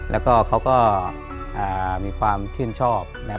แล้วก็เขาก็มีความชื่นชอบนะครับ